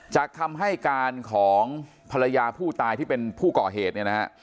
จากคำให้การของภรรยาผู้ตายที่เป็นผู้กอเหตุ